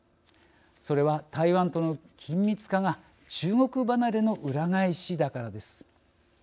それは台湾との緊密化が中国離れの裏返しだからです。